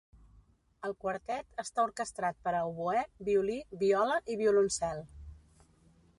El quartet està orquestrat per a oboè, violí, viola i violoncel.